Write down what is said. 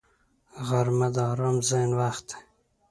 غرمه د آرام ذهن وخت دی